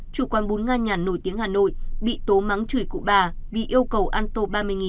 chủ quán bún ngăn nhàn nổi tiếng hà nội bị tố mắng chửi cụ bà bị yêu cầu ăn tô ba mươi